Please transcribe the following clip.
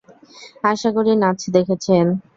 আশা করি নাচ দেখেছেন।